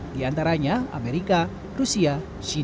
di antaranya amerika rusia china